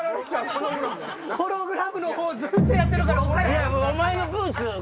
ホログラムのほうずっとやってるから。